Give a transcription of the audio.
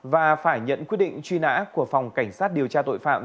và phải nhận quyết định truy nã của phòng cảnh sát điều tra tội phạm